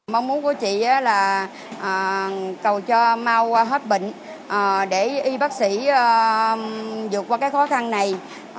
mong muốn của chị là cầu cho mau qua hết bệnh để y bác sĩ vượt qua cái khó khăn này